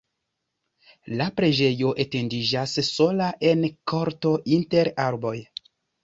La preĝejo etendiĝas sola en korto inter arboj.